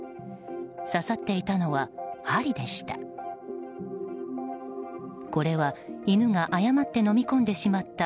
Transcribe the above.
刺さっていたのは、針でした。